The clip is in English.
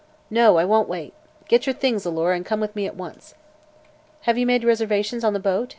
"No; I won't wait. Get your things, Alora, and come with me at once." "Have you made reservations on the boat?"